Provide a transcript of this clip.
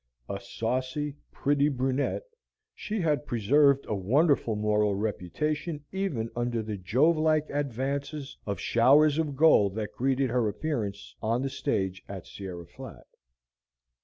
A saucy, pretty brunette, she had preserved a wonderful moral reputation even under the Jove like advances of showers of gold that greeted her appearance on the stage at Sierra Flat.